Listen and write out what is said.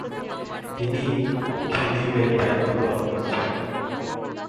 তিনি খেদিভের দায়িত্ব পালন করেছেন।